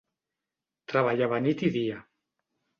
Treballava nit i dia.